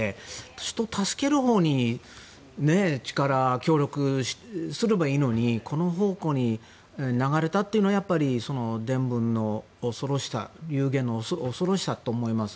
人を助けるほうに協力すればいいのにこの方向に流れたのはやっぱり伝聞の恐ろしさ流言の恐ろしさと思います。